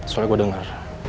soalnya gue denger